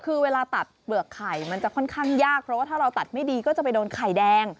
คือเวลาตัดเปลือกไข่มันจะค่อนข้างยากเพราะว่าถ้าเราตัดไม่ดีก็จะไปโดนไข่แดง